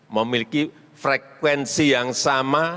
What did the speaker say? memiliki frekuensi yang sama